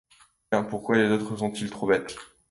Tiens! pourquoi les autres sont-ils trop bêtes?